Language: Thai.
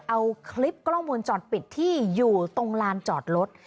เอาคลิปกล้องวงจรปิดที่อยู่ตรงลานจอดรถ